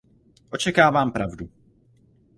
Očekávám pravdu.